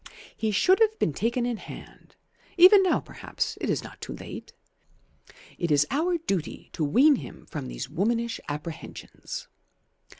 "He should have been taken in hand. Even now perhaps it is not too late. It is our duty to wean him from these womanish apprehensions."